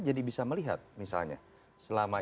jadi bisa melihat misalnya selama